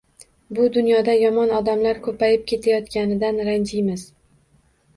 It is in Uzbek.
Bu dunyoda yomon odamlar ko’payib ketayotganidan ranjiymiz.